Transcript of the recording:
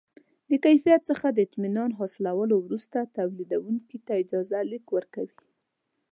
د کیفیت څخه د اطمینان حاصلولو وروسته تولیدوونکي ته اجازه لیک ورکوي.